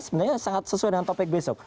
sebenarnya sangat sesuai dengan topik besok